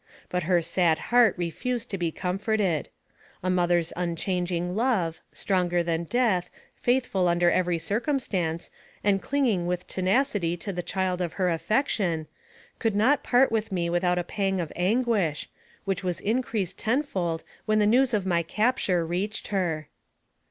But her sad heart re fused to be comforted. A mother's unchanging love stronger than death, faithful under every circumstance, and clinging with tenacity to the child of her affection, could not part with me without a pang of anguish, which was increased tenfold when the news of my capture reached her.